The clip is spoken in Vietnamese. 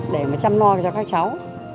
để mà chăm lo cho các cháu